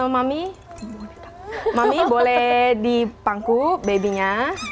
jadi mami boleh dipangku baby nya